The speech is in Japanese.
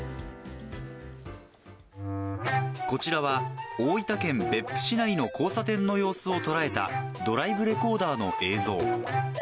こちらは、大分県別府市内の交差点の様子を捉えたドライブレコーダーの映像。